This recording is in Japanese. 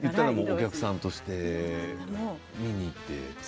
お客さんとして見に行って。